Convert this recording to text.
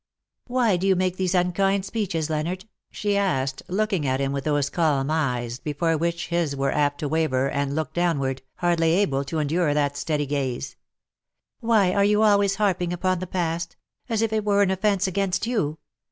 "Why do you make these unkind speeches, Leonard ?" she asked, looking at him with those calm eyes before which his were apt to waver and look downward, hardly able to endure that steady gaze. " Why are you always harping upon the past — as if it were an offence against you.